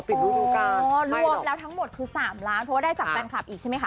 อ๋อปิดรูดูการวมแล้วทั้งหมดคือ๓ล้านเพราะว่าได้จากแฟนคลับอีกใช่ไหมคะ